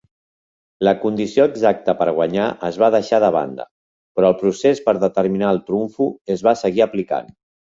La condició exacta per guanyar es va deixar de banda, però el procés per determinar el trumfo es va seguir aplicant.